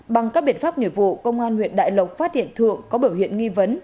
bằng các biện pháp nghiệp vụ công an huyện đại lộc phát hiện thượng có biểu hiện nghi vấn